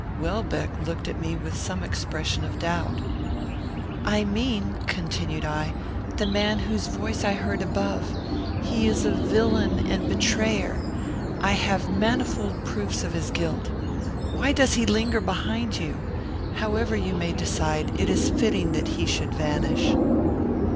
Welbeck looked at me with some expression of doubt. "I mean," continued I, "the man whose voice I heard above. He is a villain and betrayer. I have manifold proofs of his guilt. Why does he linger behind you? However you may decide, it is fitting that he should vanish."